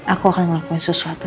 aku akan melakukan sesuatu